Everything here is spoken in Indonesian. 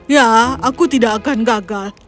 ya aku tidak akan gagal